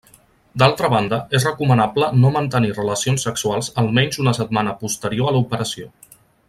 D'altra banda és recomanable no mantenir relacions sexuals almenys una setmana posterior a l'operació.